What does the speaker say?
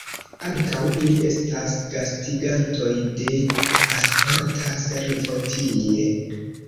Ankaŭ ili estas gastigantoj de Pasporta Servo tie.